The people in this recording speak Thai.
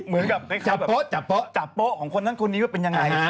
เหมือนกับเจ๊ค้ำจ้าปโป้จ้าปโป้ของนันคนนี้ว่าเป็นยังไง